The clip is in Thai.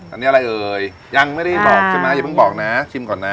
อันนี้อะไรเอ่ยยังไม่ได้บอกใช่ไหมอย่าเพิ่งบอกนะชิมก่อนนะ